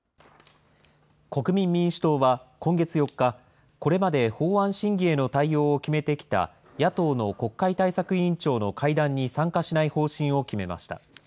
国民民主党は今月４日、これまで法案審議への対応を決めてきた野党の国会対策委員長の会談に参加しない方針を決めました。